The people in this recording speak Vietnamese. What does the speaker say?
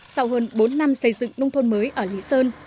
sau hơn bốn năm xây dựng nông thôn mới ở lý sơn